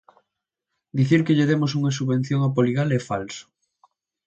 Dicir que lle demos unha subvención a Poligal é falso.